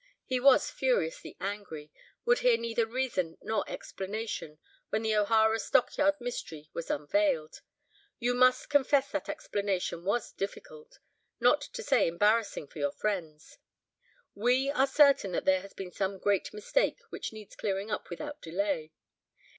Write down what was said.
He was furiously angry, would hear neither reason nor explanation, when the O'Hara stockyard mystery was unveiled. You must confess that explanation was difficult, not to say embarrassing for your friends. We are certain that there has been some great mistake which needs clearing up without delay.